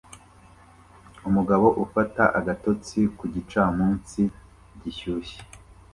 Umugabo ufata agatotsi ku gicamunsi gishyushye